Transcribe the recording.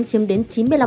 chiếm đến chín mươi năm